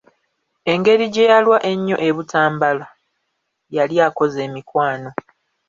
Engeri gye yalwa ennyo e Butambala yali akoze emikwano.